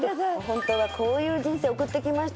本当はこういう人生を送ってきました